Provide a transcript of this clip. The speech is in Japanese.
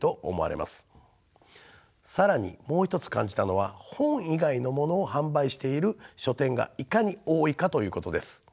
更にもう一つ感じたのは本以外の物を販売している書店がいかに多いかということです。